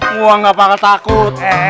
wah nggak bakal takut